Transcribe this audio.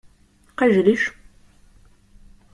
Kaj želiš?